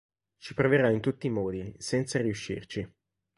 Ci proverà in tutti i modi, senza riuscirci.